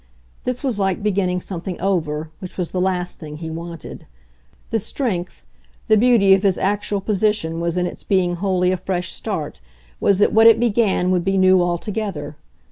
This was like beginning something over, which was the last thing he wanted. The strength, the beauty of his actual position was in its being wholly a fresh start, was that what it began would be new altogether.